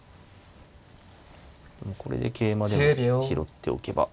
でもこれで桂馬でも拾っておけば。